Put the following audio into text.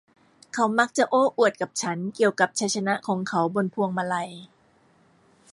เขามักจะโอ้อวดกับฉันเกี่ยวกับชัยชนะของเขาบนพวงมาลัย